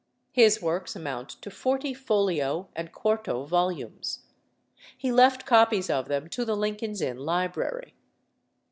His works amount to forty folio and quarto volumes. He left copies of them to the Lincoln's Inn library.